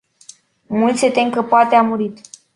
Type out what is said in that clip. Mulți se tem că poate a murit.